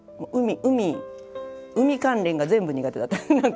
海関連が全部苦手だった。